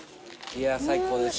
最高です。